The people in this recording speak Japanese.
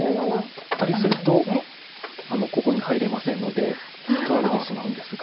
取ったりするとここに入れませんので取られてしまうんですが。